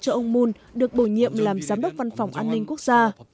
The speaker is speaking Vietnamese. cho ông moon được bổ nhiệm làm giám đốc văn phòng an ninh quốc gia